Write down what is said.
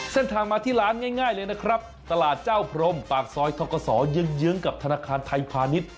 เส้นทางมาที่ร้านง่ายเลยนะครับตลาดเจ้าพรมปากซอยทกศเยื้องกับธนาคารไทยพาณิชย์